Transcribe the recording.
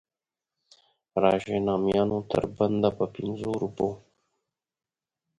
راشئ نامیانو تر بنده په پنځو روپو.